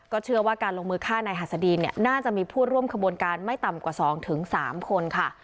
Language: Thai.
เชื่อว่าการลงมือฆ่านายหัสดีนเนี่ยน่าจะมีผู้ร่วมขบวนการไม่ต่ำกว่า๒๓คนค่ะ